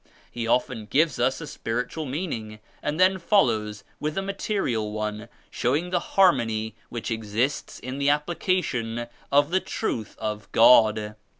He often gives us a spiritual meaning and then fol lows with a material one showing the harmony which exists in the application of the Truth of God.